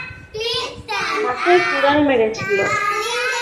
মাথায় কুড়াল মেরেছিল।